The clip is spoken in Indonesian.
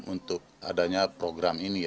untuk adanya program ini